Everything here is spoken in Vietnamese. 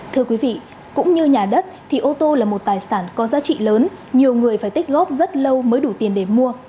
thưa quý vị cũng như nhà đất thì ô tô là một tài sản có giá trị lớn nhiều người phải tích góp rất lâu mới đủ tiền để mua